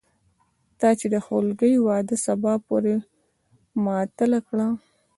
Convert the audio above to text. تا چې د خولګۍ وعده سبا پورې معطله کړه